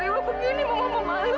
kenapa jadi lewat begini